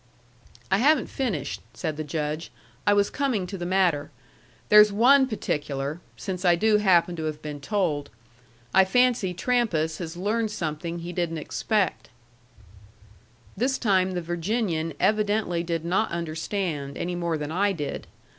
"I haven't finished," said the Judge. "I was coming to the matter. There's one particular since I do happen to have been told. I fancy Trampas has learned something he didn't expect." This time the Virginian evidently did not understand, any more than I did.